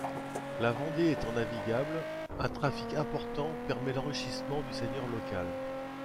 La Vendée étant navigable, un trafic important permet l'enrichissement du seigneur local.